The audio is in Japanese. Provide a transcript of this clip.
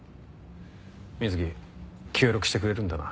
水木協力してくれるんだな？